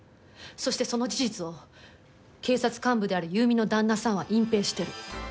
そしてその事実を警察幹部である優美の旦那さんは隠蔽してる。